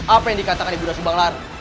apa yang dikatakan ibu nda subanglari